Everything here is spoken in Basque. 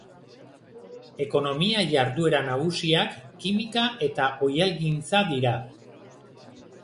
Ekonomia jarduera nagusiak kimika eta oihalgintza dira.